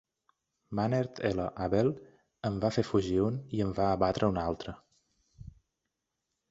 "Mannert L. Abele" en va fer fugir un i en va abatre un altre.